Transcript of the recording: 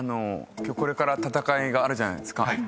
今日これから戦いがあるじゃないですか。